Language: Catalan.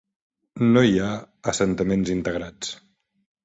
No hi ha assentaments integrats.